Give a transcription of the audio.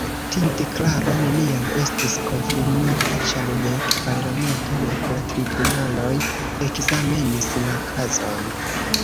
Tiu deklaro neniam estis konfirmita, ĉar nek parlamento nek la tribunaloj ekzamenis la kazon.